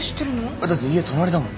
あっだって家隣だもん。